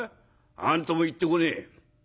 何とも言ってこねえ。